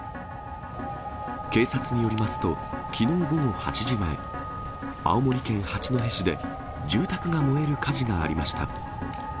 警察によりますと、きのう午後８時前、青森県八戸市で、住宅が燃える火事がありました。